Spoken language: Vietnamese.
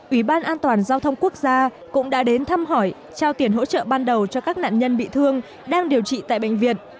ủy ban an toàn giao thông quốc gia cũng đã đến thăm hỏi trao tiền hỗ trợ ban đầu cho các nạn nhân bị thương đang điều trị tại bệnh viện